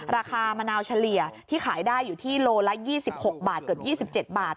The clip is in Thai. ราคามะนาวเฉลี่ยที่ขายได้อยู่ที่โลละ๒๖บาทเกือบ๒๗บาท